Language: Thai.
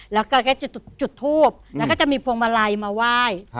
แล้วก็จุดทูบแล้วก็จะมีพวงมาลัยมาไหว้